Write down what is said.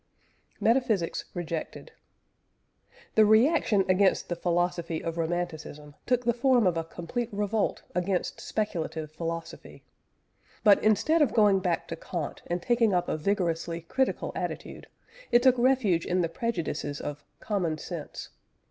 METAPHYSICS REJECTED. The reaction against the philosophy of Romanticism took the form of a complete revolt against speculative philosophy. But instead of going back to Kant, and taking up a vigorously critical attitude, it took refuge in the prejudices of "common sense."